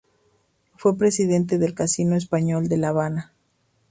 Fue presidente del Casino Español de La Habana.